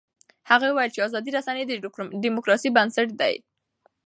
هغه وویل چې ازادې رسنۍ د ډیموکراسۍ بنسټ دی.